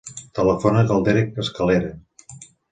Telefona al Derek Escalera.